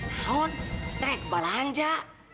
naon teh belanja